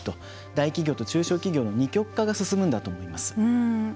大企業と中小企業の二極化が進むんだと思います。